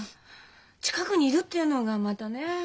近くにいるってのがまたねえ。